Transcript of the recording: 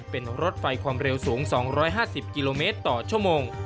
เป็นรถไฟความเร็วสูง๒๕๐กิโลเมตรต่อชั่วโมง